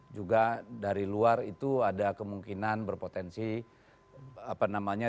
juga dari luar itu ada kemungkinan berpotensi apa namanya